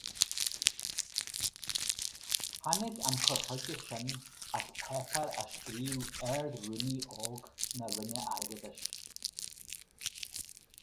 Tháinig an cur chuige sin as páipéar a scríobh ardrúnaí óg na Roinne Airgeadais.